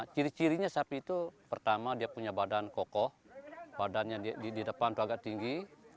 ciri cirinya sapi itu pertama dia punya badan kokoh badannya di depan itu agak tinggi